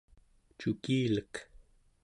cukilek